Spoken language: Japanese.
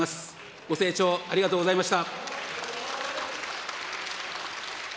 ご清聴ありがとうございました。